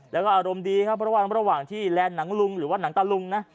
แล้วก็อารมณ์ดีครับเพราะว่าระหว่างที่แลนด์หนังลุงหรือว่าหนังตะลุงนะ